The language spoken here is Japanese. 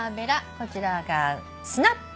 こちらがスナップ。